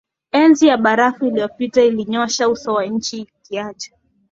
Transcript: Za enzi ya barafu iliyopita iliyonyosha uso wa nchi ikiacha